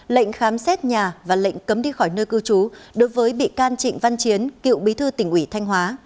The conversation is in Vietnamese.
lệnh khám xét nhà và lệnh cấm đi khỏi nơi cư trú đối với bị can trịnh văn chiến cựu bí thư tỉnh ủy thanh hóa